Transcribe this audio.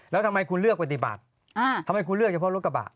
แล้วทำไมคุณเลือกปฏิบัติทำไมคุณเลือกเฉพาะรถกระบะ